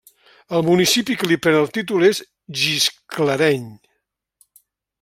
El municipi que li pren el títol és Gisclareny.